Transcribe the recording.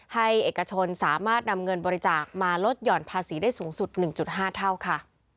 ให้เอกชนสามารถนำเงินบริจาคมาลดห่อนภาษีได้สูงสุด๑๕เท่าค่ะ